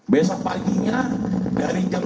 besok paginya dari jam